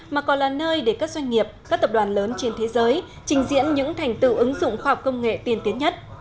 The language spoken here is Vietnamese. mà còn là nơi để các doanh nghiệp các tập đoàn lớn trên thế giới trình diễn những thành tựu ứng dụng khoa học công nghệ tiên tiến nhất